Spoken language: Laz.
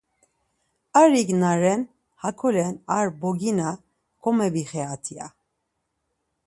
Arik na ren, Hakolen ar bogina komebixirat ya.